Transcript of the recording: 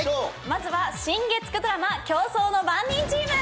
まずは新月９ドラマ競争の番人チーム！